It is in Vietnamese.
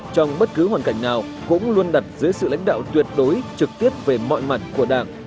trong bất cứ hoàn cảnh nào cũng luôn đặt dưới sự lãnh đạo tuyệt đối trực tiếp về mọi mặt của đảng